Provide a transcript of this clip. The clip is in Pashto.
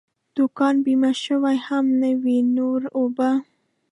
دوکان بیمه شوی هم نه وي، نور اوبه.